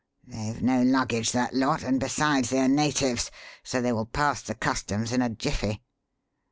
They've no luggage, that lot, and, besides, they are natives, so they will pass the customs in a jiffy.